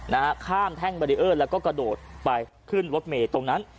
นะฮะข้ามแท่งบารีเออร์แล้วก็กระโดดไปขึ้นรถเมย์ตรงนั้น